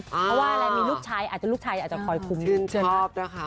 เพราะว่ามีลูกชายลูกชายอาจจะคอยคุ้มคุณนิว